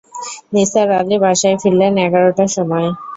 নিসার আলি বাসায় ফিরলেন এগারটার সময়।